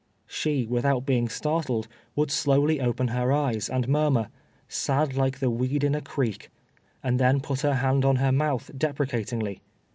She, without being startled, would slowly open her eyes, and murmur: "Sad like the weed in a creek," and then put her hand on her mouth deprecatingly.